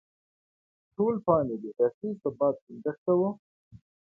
ټول پام یې د سیاسي ثبات ټینګښت ته و.